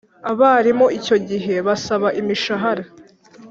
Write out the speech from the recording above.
abarimu icyo gihe basaba imishahara